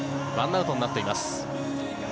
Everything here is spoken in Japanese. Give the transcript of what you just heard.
１アウトになっています。